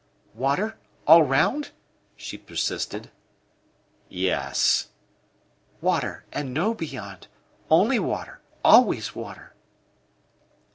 "Water! All round?" she persisted. "Yes." "Water, and no beyond? Only water always water?"